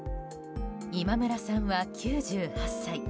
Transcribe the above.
今村さんは９８歳。